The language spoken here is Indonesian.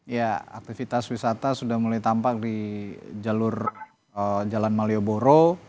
ya aktivitas wisata sudah mulai tampak di jalur jalan malioboro